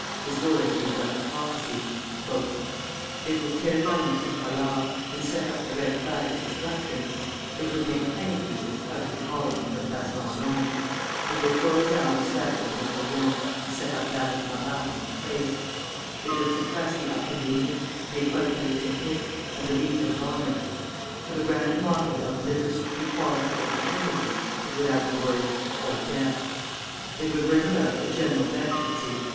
His words read like a prophecy: "It would tear down the tricolor, and set up the red flag of destruction; it would make penny pieces out of the Column of the Place Vendôme; it would hurl down the statue of Napoleon, and set up that of Marat in its place; it would suppress the Académie, the École Polytechnique, and the Legion of Honor. To the grand motto of 'Liberty, Equality, and Fraternity,' it would add the words, 'or death.' It would bring about a general bankruptcy.